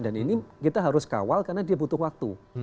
dan ini kita harus kawal karena dia butuh waktu